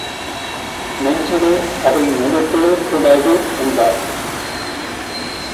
நெஞ்சிலே அதை நினைக்கவே கூடாது என்பார்.